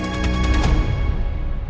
tante tenang aja ya